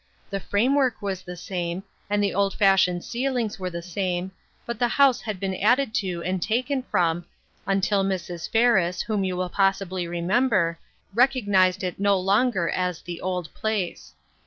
The framework was the same, and the old fashioned ceilings were the same, but the house had been added to and taken from, until Mrs. Ferris, whom you will possibly remember, recognized it no longer as " the old place."